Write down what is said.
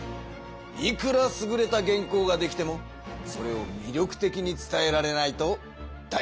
いくらすぐれた原稿ができてもそれをみりょくてきに伝えられないとだいなしだぞ。